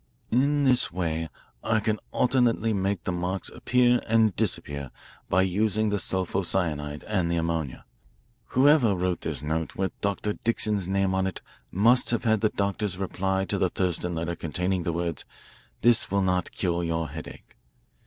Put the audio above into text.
"In this way I can alternately make the marks appear and disappear by using the sulpho cyanide and the ammonia. Whoever wrote this note with Dr. Dixon's name on it must have had the doctor's reply to the Thurston letter containing the words, 'This will not cure your headache.'